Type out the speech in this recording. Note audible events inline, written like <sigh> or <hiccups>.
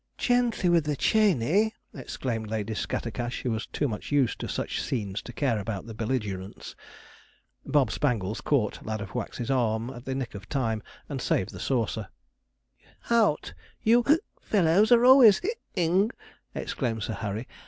'Gently with the cheney!' exclaimed Lady Scattercash, who was too much used to such scenes to care about the belligerents. Bob Spangles caught Ladofwax's arm at the nick of time, and saved the saucer. 'Hout! you <hiccups> fellows are always <hiccups> ing,' exclaimed Sir Harry.